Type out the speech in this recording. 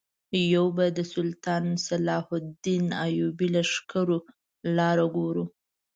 یو به د سلطان صلاح الدین ایوبي لښکرو لاره ګورو.